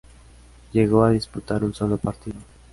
Llegó a disputar un solo partido.